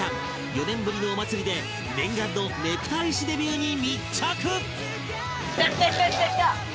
４年ぶりのお祭りで念願のねぷた絵師デビューに密着！